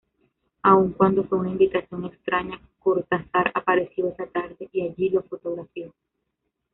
Aun cuando fue una invitación extraña, Cortázar apareció esa tarde y allí lo fotografió.